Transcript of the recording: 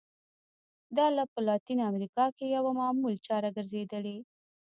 دا په لاتینه امریکا کې یوه معمول چاره ګرځېدلې.